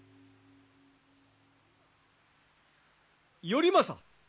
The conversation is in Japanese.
頼政！